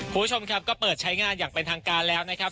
คุณผู้ชมครับก็เปิดใช้งานอย่างเป็นทางการแล้วนะครับ